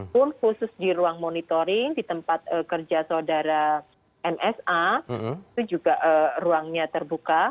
pun khusus di ruang monitoring di tempat kerja saudara msa itu juga ruangnya terbuka